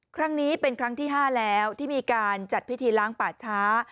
ครั้งนี้เป็นครั้งที่๕แล้วที่มีการจัดพิธีล้างป่าช้า